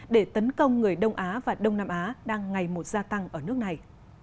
để tấn công người đông á và đông nam á đang ngày một gia tăng ở nước này